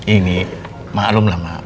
ini maklumlah pak